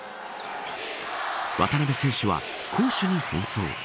渡邊選手は攻守に奔走。